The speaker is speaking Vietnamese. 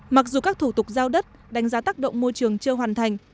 mặc dù các thủ tục giao đất đánh giá tác động môi trường chưa hoàn thành